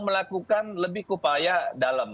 melakukan lebih upaya dalam